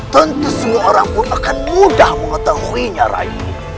tentu semua orang pun akan mudah mengetahuinya rayu